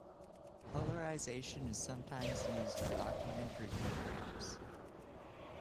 Colorization is sometimes used on documentary programmes.